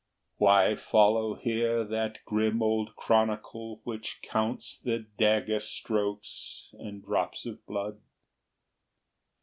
XXII. Why follow here that grim old chronicle Which counts the dagger strokes and drops of blood?